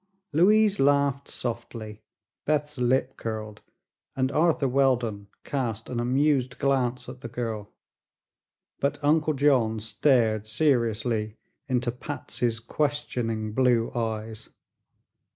Louise laughed softly, Beth's lip curled and Arthur Weldon cast an amused glance at the girl; but Uncle John stared seriously into Patsy's questioning blue eyes.